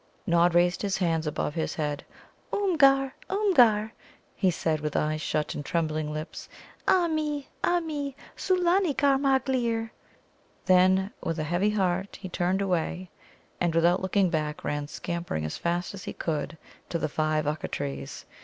Nod raised his hands above his head. "Oomgar, Oomgar," he said, with eyes shut and trembling lips, "ah mi, ah mi; sulâni, ghar magleer." Then, with a heavy heart, he turned away, and without looking back ran scampering as fast as he could to the five Ukka trees.